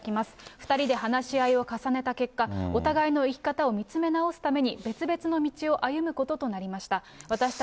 ２人で話し合いを重ねた結果、お互いの生き方を見つめ直すために、別々の道を歩むこととなりました。